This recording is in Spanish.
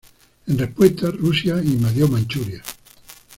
En respuesta, Rusia invadió Manchuria.